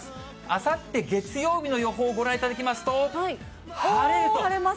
あさって月曜日の予報をご覧いただきますと、晴れると。